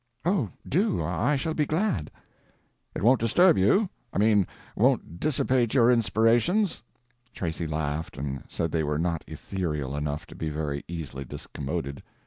"Oh, do; I shall be glad." "It won't disturb you? I mean, won't dissipate your inspirations?" Tracy laughed and said they were not ethereal enough to be very easily discommoded.